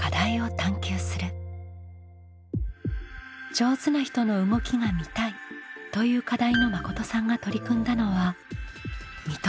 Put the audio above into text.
「上手な人の動きが見たい」という課題のまことさんが取り組んだのはやっ！